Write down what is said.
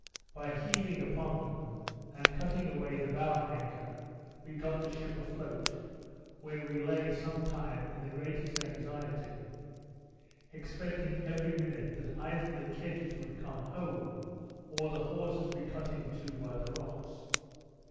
By heaving upon them, and cutting away the bower anchor, we got the ship a float, where we lay some time in the greatest anxiety, expecting every minute that either the kedges would come home, or the hawsers be cut in two by the rocks.